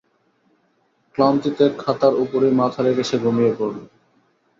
ক্লান্তিতে খাতার ওপরই মাথা রেখে সে ঘুমিয়ে পড়ল।